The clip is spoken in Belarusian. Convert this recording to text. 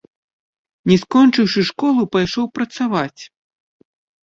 Не скончыўшы школу, пайшоў працаваць.